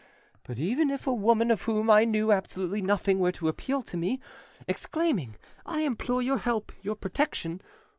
But even if a woman of whom I knew absolutely nothing were to appeal to me, exclaiming, 'I implore your help, your protection!